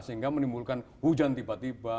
sehingga menimbulkan hujan tiba tiba